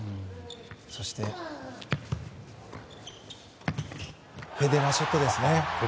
そしてフェデラーショットですね。